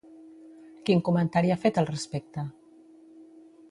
Quin comentari ha fet al respecte?